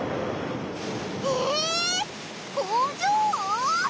え工場！？